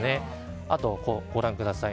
あとご覧ください。